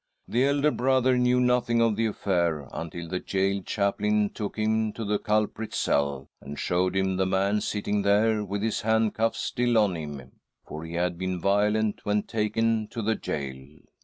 The elder brother knew nothing of the affair, until the gaol chaplain took him to the culprit's cell, and showed him the man sitting there with his handcuffs still on him —for he had been violent when taken to the gaol.